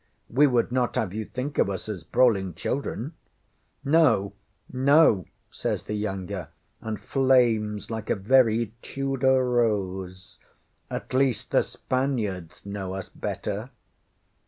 We would not have you think of us as brawling children. ŌĆØ ŌĆśŌĆ£No, no, ŌĆØ says the younger, and flames like a very Tudor rose. ŌĆ£At least the Spaniards know us better.